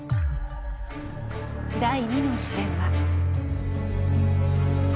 第２の視点は。